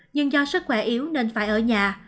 nhưng do sức khỏe yếu nên phải ở nhà